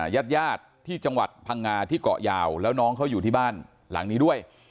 ญาติญาติที่จังหวัดพังงาที่เกาะยาวแล้วน้องเขาอยู่ที่บ้านหลังนี้ด้วย